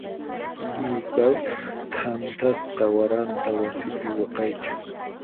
Amilcar thantasqa waranta wasipi waqaychan.